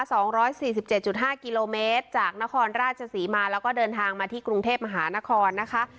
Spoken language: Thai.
สองร้อยสี่สิบเจ็ดจุดห้ากิโลเมตรจากนครราชศรีมาแล้วก็เดินทางมาที่กรุงเทพมหานครนะคะ